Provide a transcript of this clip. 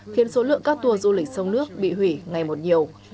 khiến số lượng các tour du lịch sông nước bị hủy ngày một nhiều